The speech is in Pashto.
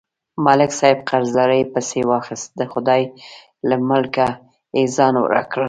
ملک صاحب قرضدارۍ پسې واخیست، د خدای له ملکه یې ځان ورک کړ.